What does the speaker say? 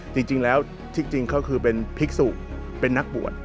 จริงแล้วที่จริงเขาคือเป็นภิกษุเป็นนักบวช